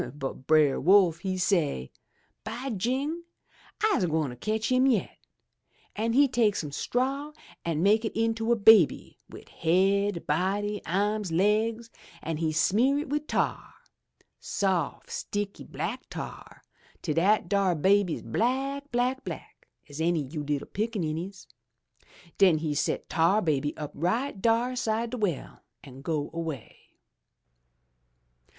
But Brer Wolf he say, *By jing! I'se gwine cotch him yet!' An' he take some straw an' make it into a baby wid haid, body, ahms, laigs; an' he smear it wid tar — soft, sticky black tar, till dat dar baby's black, black, black as any you little pickaninnies! Den he set Tar Baby up right dar 'side de well an' go 'way.